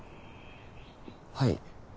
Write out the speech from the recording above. はい。